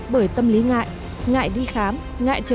bởi tâm lý ngại ngại đi khám ngại chờ đợi